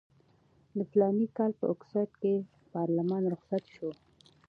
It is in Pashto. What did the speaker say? د فلاني کال په اګست کې پارلمان رخصت شو.